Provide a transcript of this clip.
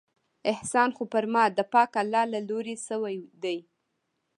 احسان خو پر ما د پاک الله له لورې شوى دى.